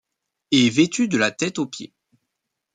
Et vêtue de la tête aux pieds.